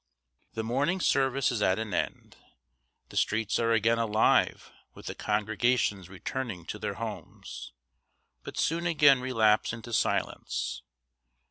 The morning service is at an end. The streets are again alive with the congregations returning to their homes, but soon again relapse into silence.